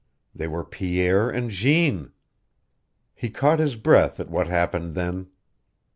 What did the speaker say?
They were Pierre and Jeanne! He caught his breath at what happened then.